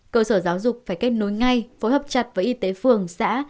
cơ sở giáo dục phải kết nối ngay phối hợp chặt với y tế phường xã